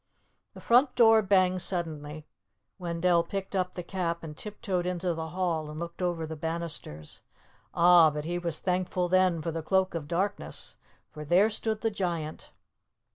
The front door banged suddenly. Wendell picked up the cap and tiptoed into the hall and looked over the banisters. Ah! but he was thankful then for the Cloak of Darkness. For there stood the Giant.